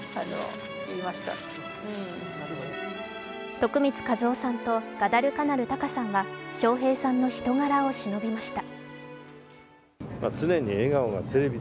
徳光和夫さんとガダルカナル・タカさんは笑瓶さんの人柄をしのびました。